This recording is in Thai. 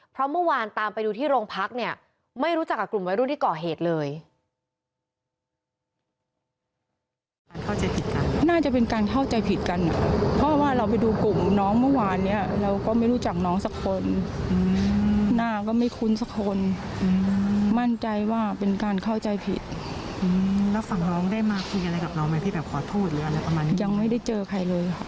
เพราะเมื่อวานตามไปดูที่โรงพักเนี่ยไม่รู้จักกับกลุ่มวัยรุ่นที่ก่อเหตุเลย